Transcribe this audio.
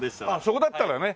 そこだったらね。